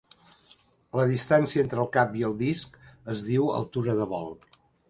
La distància entre el cap i el disc es diu altura de vol.